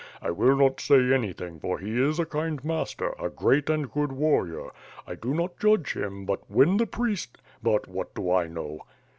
I will not say anything, for he is a kind master, a great and good warrior. I do not judge him but when the priest — ^but what do I know!"